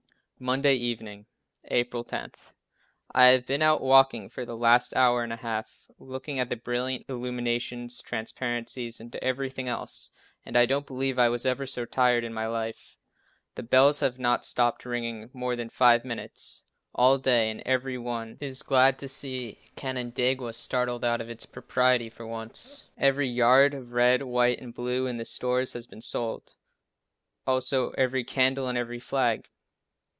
Monday evening, April 10. I have been out walking for the last hour and a half, looking at the brilliant illuminations, transparencies and everything else and I don't believe I was ever so tired in my life. The bells have not stopped ringing more than five minutes all day and every one is glad to see Canandaigua startled out of its propriety for once. Every yard of red, white and blue ribbon in the stores has been sold, also every candle and every flag.